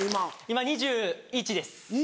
今２１です。